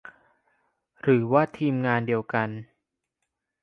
หรือว่าทีมงานเดียวกัน